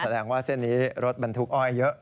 แสดงว่าเส้นนี้รถบรรทุกอ้อยเยอะ